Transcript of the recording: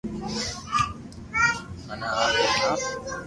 مني آپ ھي ھڻاو